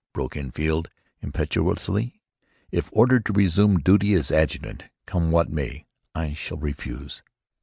broke in Field, impetuously. "If ordered to resume duty as adjutant, come what may, I shall refuse."